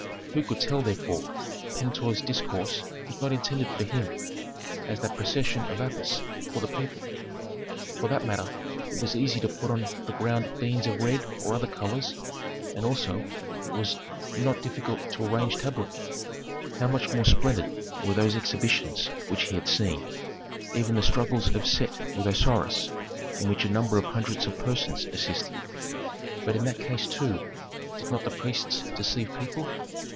Who could tell, therefore, that Pentuer's discourse was not intended for him, as that procession of Apis for the people? For that matter, it was easy to put on the ground beans of red or other colors, and also it was not difficult to arrange tableaux. How much more splendid were those exhibitions which he had seen, even the struggles of Set with Osiris, in which a number of hundreds of persons assisted. But in that case, too, did not the priests deceive people?